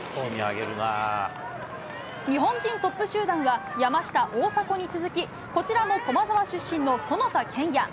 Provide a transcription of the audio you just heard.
日本人トップ集団は山下、大迫に続き、こちらも駒澤出身の其田健也。